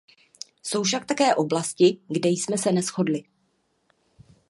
Jsou však také oblasti, kde jsme se neshodli.